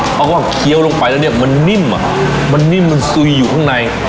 เพราะว่าเคี้ยวลงไปแล้วเนี่ยมันนิ่มอ่ะมันนิ่มมันซุยอยู่ข้างใน